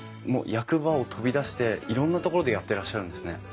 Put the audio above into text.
もう役場を飛び出していろんなところでやってらっしゃるんですね。